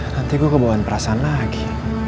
nanti gue kebuan perasaan lagi